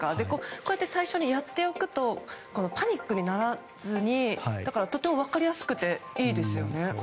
こうやって最初にやっておくとパニックにならずにとても分かりやすくていいですよね。